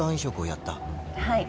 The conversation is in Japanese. はい。